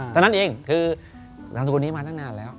ตั้งนั้นเองที่ตลาดของคนนี้มานานแล้ว